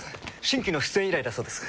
新規の出演依頼だそうです。